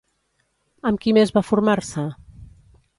Amb qui més va formar-se?